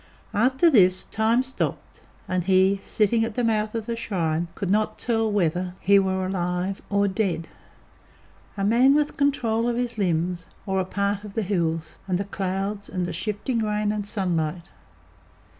After this, time stopped, and he, sitting at the mouth of the shrine, could not tell whether he were alive or dead; a man with control of his limbs, or a part of the hills, and the clouds, and the shifting rain and sunlight.